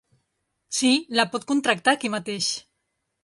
Sí, la pot contractar aquí mateix.